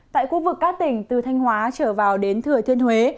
tại khu vực các tỉnh từ thanh hóa trở vào đến thừa thiên huế